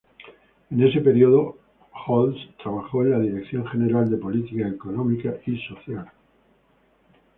En ese período, Holz trabajó en la Dirección General de Política Económica y Social.